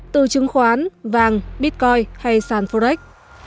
từ chứng khoán vàng bitcoin hay san forex